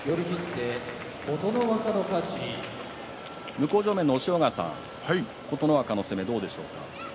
向正面の押尾川さん琴ノ若の攻め、どうでしたか？